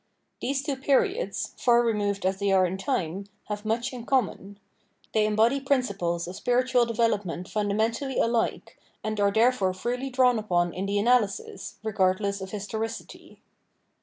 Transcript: These two periods, far removed as they are in time, have much in common. They embody principles of spiritual develop ment fundamentally alike, and are therefore freely drawn upon in the analysis, regardless of historicity.